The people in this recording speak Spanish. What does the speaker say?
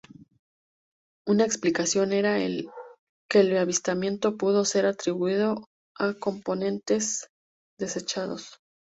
Una explicación era que el avistamiento pudo ser atribuido a componentes desechados.